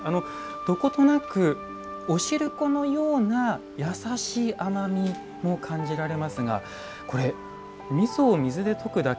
どことなくお汁粉のような優しい甘みも感じられますがこれ、みそを水で溶くだけ。